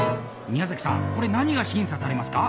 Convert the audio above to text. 宮崎さんこれ何が審査されますか？